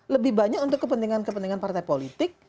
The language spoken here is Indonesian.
lebih banyak untuk kepentingan kepentingan partai politik